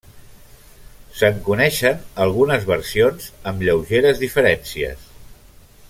Se'n coneixen algunes versions amb lleugeres diferències.